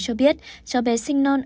cho biết cho bé sinh non